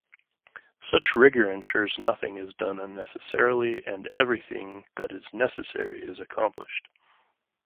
Such rigor ensures nothing is done unnecessarily and everything that is necessary is accomplished.